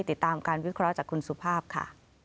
ติดตามการวิเคราะห์จากคุณสุภาพค่ะ